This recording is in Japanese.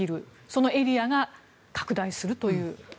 そのエリアが拡大すると。